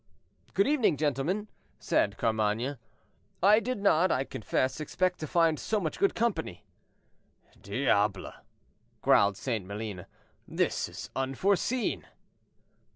"Good evening, gentlemen," said Carmainges; "I did not, I confess, expect to find so much good company." "Diable!" growled St. Maline; "this is unforeseen."